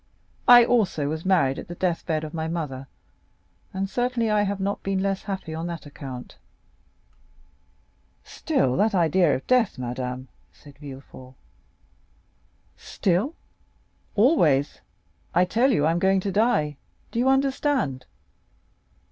I also was married at the death bed of my mother, and certainly I have not been less happy on that account." "Still that idea of death, madame," said Villefort. "Still?—Always! I tell you I am going to die—do you understand?